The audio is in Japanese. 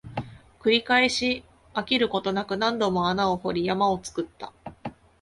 繰り返し、飽きることなく、何度も穴を掘り、山を作った